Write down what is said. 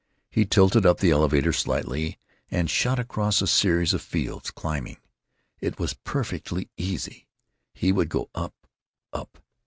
He tilted up the elevator slightly and shot across a series of fields, climbing. It was perfectly easy. He would go up—up.